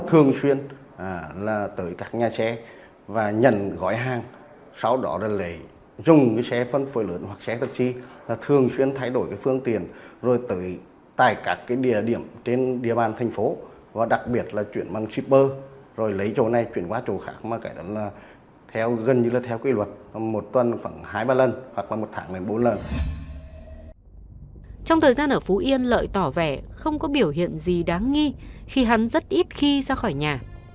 trong thời gian ở phú yên lợi tỏ vẻ không có biểu hiện gì đáng nghi khi hắn rất ít khi ra khỏi nhà